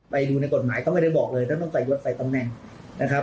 ไปดูในกฎหมายก็ไม่ได้บอกเลยท่านต้องใส่ยศใส่ตำแหน่งนะครับ